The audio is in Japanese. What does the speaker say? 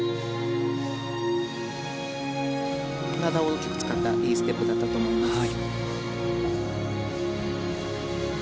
体を大きく使ったいいステップだったと思います。